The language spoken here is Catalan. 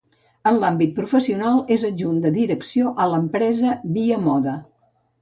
En l'àmbit professional és adjunt de Direcció a l’empresa Via Moda.